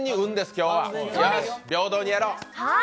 今日は、平等にやろう！